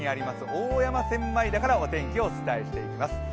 大山千枚田からお天気をお伝えしています。